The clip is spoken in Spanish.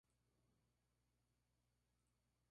Para los obispos no cardenales es morada.